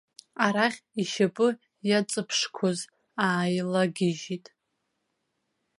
Арахь ишьапы иаҵыԥшқәоз ааилагьежьит.